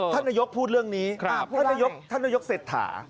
ท่านนายกพูดเรื่องนี้ท่านนายกท่านนายกเศรษฐา